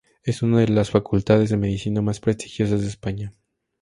Es una de las facultades de medicina más prestigiosas de España.